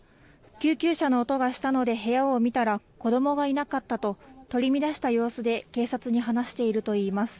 救急車の音がしたので部屋を見たら子供がいなかったと取り乱した様子で警察に話しているといいます。